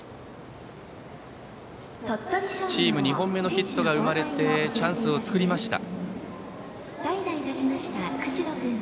チーム２本目のヒットが生まれてチャンスを作りました。